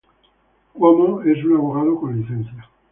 Cuomo es un abogado con licencia.